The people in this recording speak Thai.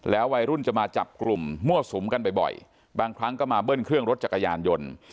วัยรุ่นจะมาจับกลุ่มมั่วสุมกันบ่อยบางครั้งก็มาเบิ้ลเครื่องรถจักรยานยนต์